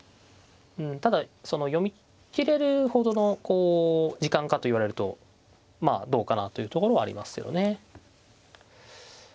ただ読み切れるほどの時間かといわれるとまあどうかなというところはありますけどね。